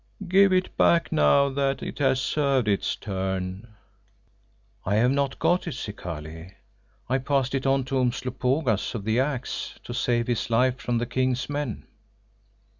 Give it back now that it has served its turn." "I have not got it, Zikali. I passed it on to Umslopogaas of the Axe to save his life from the King's men."